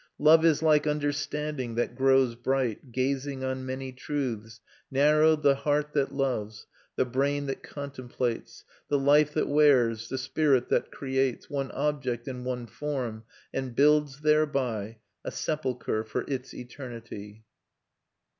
Love is like understanding that grows bright Gazing on many truths.... Narrow The heart that loves, the brain that contemplates, The life that wears, the spirit that creates One object and one form, and builds thereby A sepulchre for its eternity!"